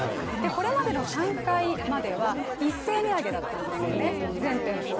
これまでの３回までは一斉値上げだったんですよね、全店舗。